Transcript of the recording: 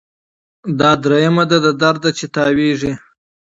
دا دریمه ده له درده چي تاویږي